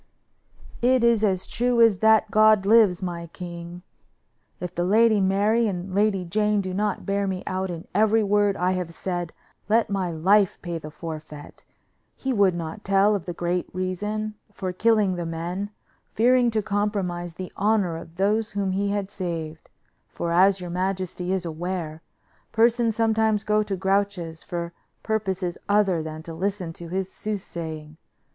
"It is as true as that God lives, my king! If the Lady Mary and Lady Jane do not bear me out in every word I have said, let my life pay the forfeit. He would not tell of the great reason for killing the men, fearing to compromise the honor of those whom he had saved, for, as your majesty is aware, persons sometimes go to Grouche's for purposes other than to listen to his soothsaying.